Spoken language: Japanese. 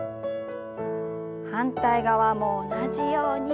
反対側も同じように。